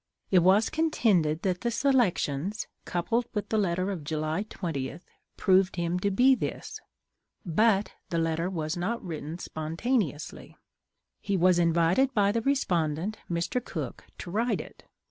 It was contended that the Selections, coupled with the letter of July 20, proved him to be this. But the letter was not written spontaneously. He was invited by the respondent, Mr. Cook, to write it.